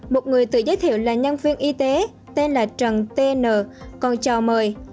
một người tự giới thiệu là nhân viên y tế tên là trần t n còn chào mời